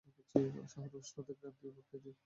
শহরের উষ্ণতা ক্রান্তীয় প্রকৃতির।